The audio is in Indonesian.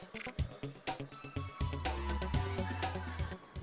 bagaimana cara menghidupkan suplemen